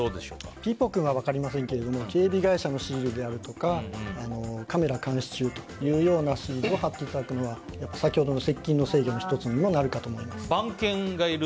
ピーポくんは分かりませんが警備会社のシールやカメラ監視中とかというようなシールを貼っていただくのは先ほどの接近の制御の１つにもなるかもしれません。